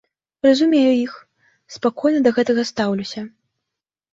Разумею іх, спакойна да гэтага стаўлюся.